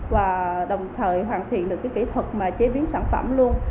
và đồng thời hoàn thiện được kỹ thuật chế biến sản phẩm luôn